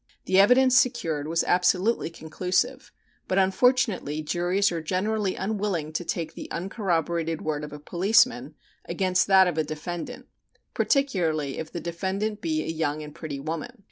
The evidence secured was absolutely conclusive, but unfortunately juries are generally unwilling to take the uncorroborated word of a policeman against that of a defendant particularly if the defendant be a young and pretty woman.